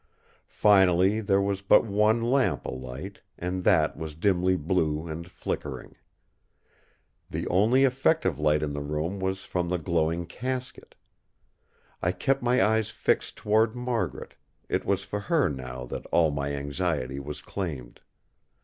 Finally there was but one lamp alight, and that was dimly blue and flickering. The only effective light in the room was from the glowing casket. I kept my eyes fixed toward Margaret; it was for her now that all my anxiety was claimed.